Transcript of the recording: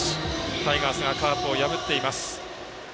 タイガースがカープを破っています。